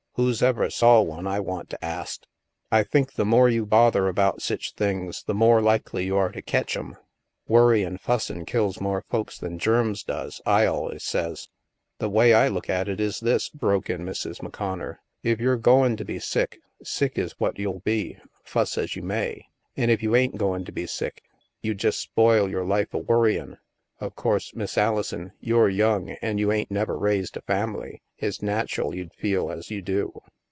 Who's ever saw one, I want to ast ? I think the more you bother about sech things, the more likely you are to ketch 'em. Worry and fussin' kills more folks than germs does, I alius say." "The way I look at it, is this," broke in Mrs. STILL WATERS 7 McConnor. "If you're goin' to be sick, sick is what you'll be, fuss as you may. An' if you ain't goin' to be sick, you jest spoil your life a worryin'. Of course, Miss Alison, you're young, an' you ain't never raised a family. It's natchrd you'd feel as you do.'